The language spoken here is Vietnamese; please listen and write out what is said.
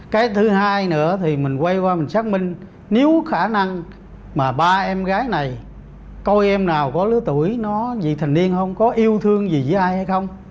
cái thứ hai nữa thì mình quay qua mình xác minh nếu khả năng mà ba em gái này coi em nào có lứa tuổi nó gì thành niên không có yêu thương gì với ai hay không